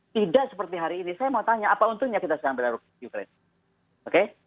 tidak seperti hari ini saya mau tanya apa untungnya kita sedang berada di ukraine